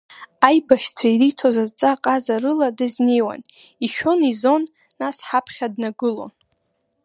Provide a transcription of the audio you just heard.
Аибашьцәа ириҭоз адҵа ҟазарыла дазнеиуан, ишәон-изон, нас ҳаԥхьа днагылон.